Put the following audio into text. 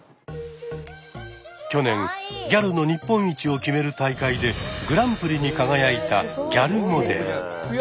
去年ギャルの日本一を決める大会でグランプリに輝いたギャルモデル。